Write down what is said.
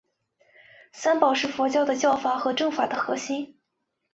三宝是佛教的教法和证法的核心。